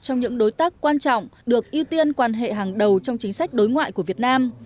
trong những đối tác quan trọng được ưu tiên quan hệ hàng đầu trong chính sách đối ngoại của việt nam